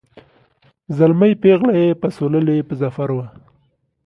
زلمی پېغله یې پسوللي په ظفر وه